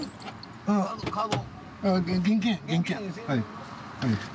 カード？